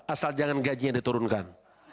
asal jangan gajinya diturunkan